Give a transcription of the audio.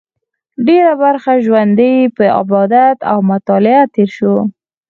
ډېره برخه ژوند یې په عبادت او مطالعه تېر شو.